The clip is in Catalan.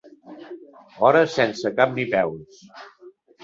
Hores sense cap ni peus.